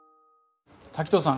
滝藤さん